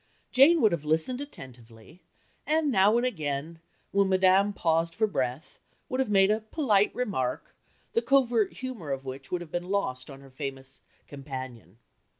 Jane would have listened attentively, and now and again, when Madame paused for breath, would have made a polite remark, the covert humour of which would have been lost on her famous companion.